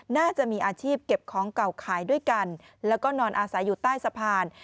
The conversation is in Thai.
น่าจะมีอาชีพเก็บของเก่าขายด้วยกันแล้วก็นอนอาศัยอยู่ใต้สะพาน